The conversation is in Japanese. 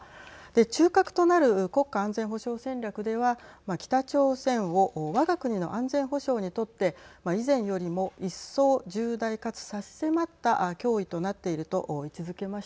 中核となる国家安全保障戦略では北朝鮮を我が国の安全保障にとって以前よりも一層、重大かつ差し迫った脅威となっているはい。